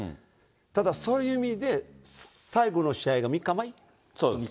ただそういう意味で、最後の試合３日。